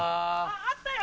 あったよ！